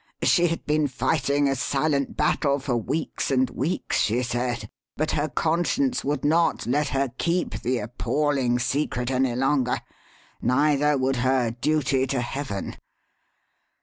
She had been fighting a silent battle for weeks and weeks she said, but her conscience would not let her keep the appalling secret any longer, neither would her duty to Heaven.